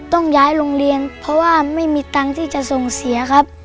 ต้องย้ายโรงเรียนเพราะว่าไม่มีตังค์ที่จะส่งเสียครับ